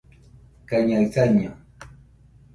kaiñaɨ saiño